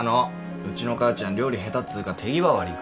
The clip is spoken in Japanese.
うちの母ちゃん料理下手っつうか手際悪いから。